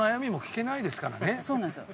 そうなんですよ。